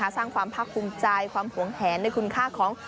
สร้างความภาคภูมิใจความหวงแหนในคุณค่าของ